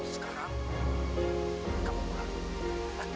sekarang kamu mau